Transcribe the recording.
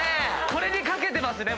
これに懸けてますね。